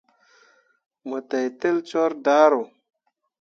Mo teitel coor daaro.